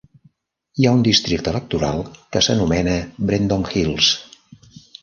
Hi ha un districte electoral que s'anomena "Brendon Hills".